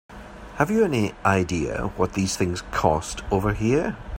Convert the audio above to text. Have you any idea what these things cost over here?